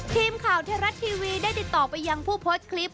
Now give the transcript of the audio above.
ทีมข่าวเทราะท์ทีวีได้ติดต่อไปยังผู้พดคลิป